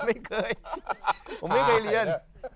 ไม่เคยผมไม่เคยเรียน